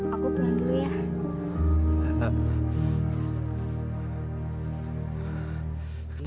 aku pulang dulu ya